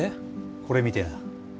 これ見てな。